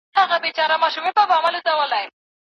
جنګ څخه مخکي د غلامانو په توګه